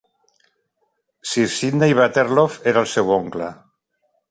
Sir Sydney Waterlow era el seu oncle.